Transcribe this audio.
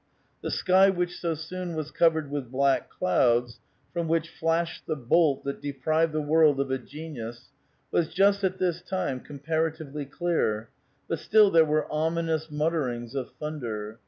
The sky which so soon was covered with black clouds, from which flashed the bolt that deprived the world of a genius, was just at this time com paratively clear, but still there were ominous mutterings of thunder.